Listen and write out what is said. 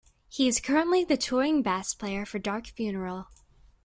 He is currently the touring bass player for Dark Funeral.